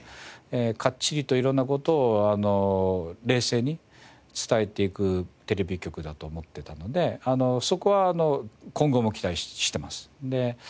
かっちりと色んな事を冷静に伝えていくテレビ局だと思っていたのでそこは今後も期待しています。